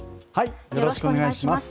よろしくお願いします。